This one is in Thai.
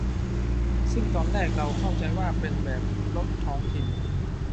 ซึ่งตอนแรกเราเข้าใจว่าเป็นแบบรถท้องถิ่น